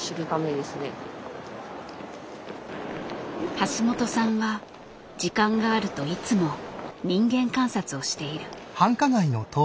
橋本さんは時間があるといつも人間観察をしている。